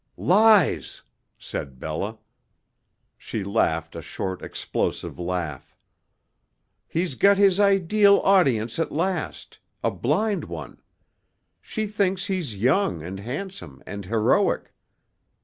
"Lies," said Bella. She laughed a short, explosive laugh. "He's got his ideal audience at last a blind one. She thinks he's young and handsome and heroic.